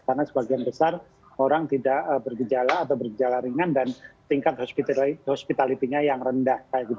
karena sebagian besar orang tidak bergejala atau bergejala ringan dan tingkat hospitalitinya yang rendah